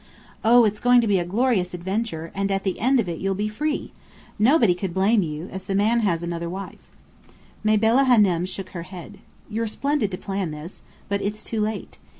Oh, it's going to be a glorious adventure, and at the end of it you'll be free! Nobody could blame you, as the man has another wife." Mabella Hânem shook her head. "You're splendid to plan this. But it's too late.